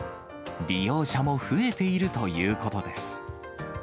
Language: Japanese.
利用者も増えているということです。